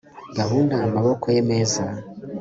Gukanda amaboko ye meza